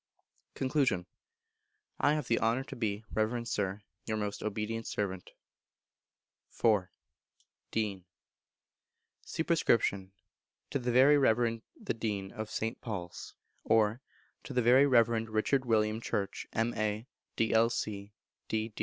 Con. I have the honour to be, Reverend Sir, Your most obedient servant. iv. Dean. Sup. To the Very Reverend The Dean of St. Paul's; or, To the Very Reverend Richard William Church, M.A., D.C.L., D.